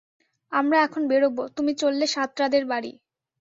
আমরা এখন বেরোব, তুমি চললে সাতরাদের বাড়ি।